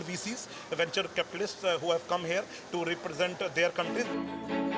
kapitalis venture yang datang ke sini untuk mewakili negara mereka